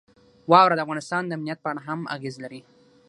واوره د افغانستان د امنیت په اړه هم اغېز لري.